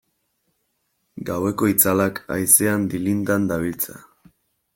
Gaueko itzalak haizean dilindan dabiltza.